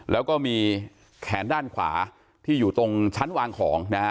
แล้วก็มีแขนด้านขวาที่อยู่ตรงชั้นวางของนะฮะ